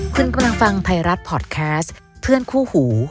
คุณกำลังฟังไทยรัฐพอร์ตแคสต์เพื่อนคู่หู